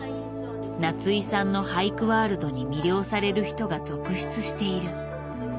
夏井さんの俳句ワールドに魅了される人が続出している。